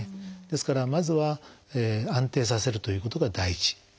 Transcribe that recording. ですからまずは安定させるということが第一。